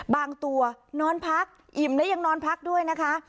บางตัวนอนพักอิ่มและยังนอนพักด้วยนะคะ